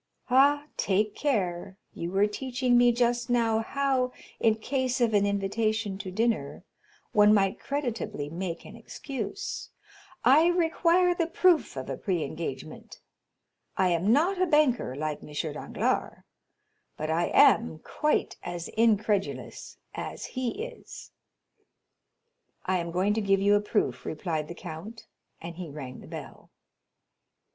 "Ah, take care, you were teaching me just now how, in case of an invitation to dinner, one might creditably make an excuse. I require the proof of a pre engagement. I am not a banker, like M. Danglars, but I am quite as incredulous as he is." "I am going to give you a proof," replied the count, and he rang the bell.